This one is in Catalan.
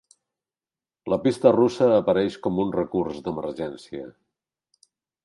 La pista russa apareix com un recurs d’emergència.